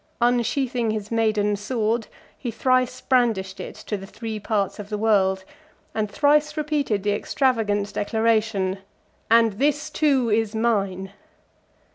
39 Unsheathing his maiden sword, he thrice brandished it to the three parts of the world, and thrice repeated the extravagant declaration, "And this too is mine!"